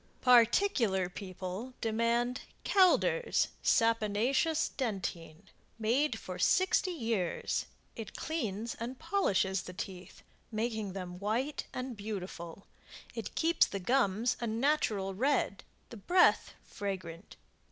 PARTICULAR PEOPLE DEMAND Calder's SAPONACEOUS Dentine Made for 60 years It cleans and polishes the teeth, making them white and beautiful. It keeps the gums a natural red, the breath fragrant.